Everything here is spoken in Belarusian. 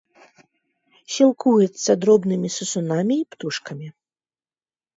Сілкуецца дробнымі сысунамі і птушкамі.